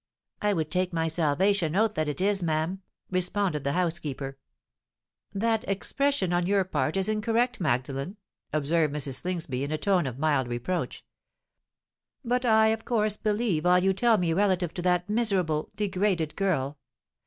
"I would take my salvation oath that it is, ma'am," responded the housekeeper. "That expression on your part is incorrect, Magdalen," observed Mrs. Slingsby, in a tone of mild reproach. "But I of course believe all you tell me relative to that miserable—degraded girl.